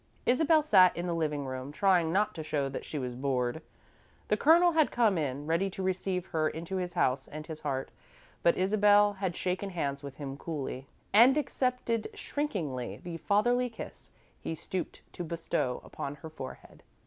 Isabel sat in the living room, trying not to show that she was bored. The Colonel had come in, ready to receive her into his house and his heart, but Isabel had shaken hands with him coolly, and accepted shrinkingly the fatherly kiss he stooped to bestow upon her forehead.